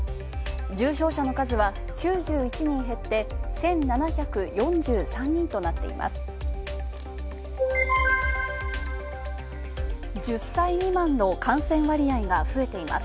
重症者の数は９１人減って１７４３人となっています。